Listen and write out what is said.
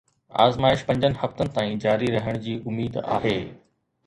آزمائش پنجن هفتن تائين جاري رهڻ جي اميد آهي